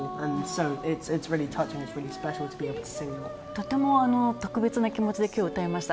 とても特別な気持ちで今日歌いました。